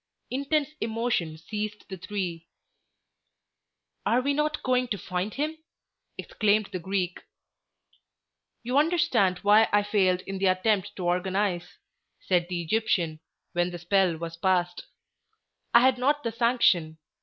Intense emotion seized the three. "Are we not going to find him?" exclaimed the Greek. "You understand why I failed in the attempt to organize," said the Egyptian, when the spell was past. "I had not the sanction.